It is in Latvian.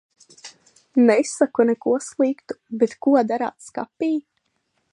Nesaku neko sliktu, bet ko darāt skapī?